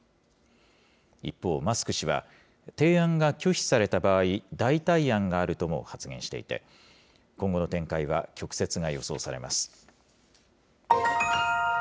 一方、マスク氏は提案が拒否された場合、代替案があるとも発言していて、今後の展開は曲折が予想されます。